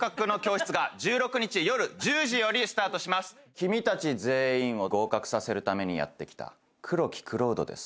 君たち全員を合格させるためにやって来た黒木蔵人です。